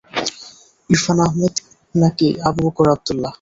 ইরফান আহেমদ না কি আবু বকর আবদুল্লাহ?